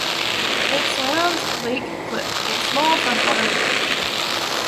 It surrounds Lake Cliff, a small freshwater lake.